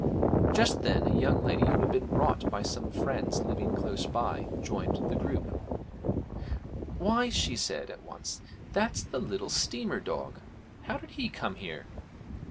Just then a young lady who had been brought by some friends living close by joined the group: 'Why,' she said at once, 'that's the little steamer dog. How did he come here?'